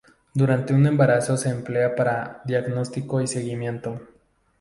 Durante un embarazo se emplea para diagnóstico y seguimiento.